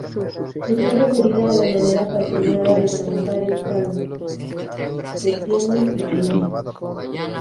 Está referida a la manera apasionada de cantar el tango, que tiene "Malena".